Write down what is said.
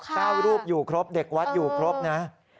รูปอยู่ครบเด็กวัดอยู่ครบนะ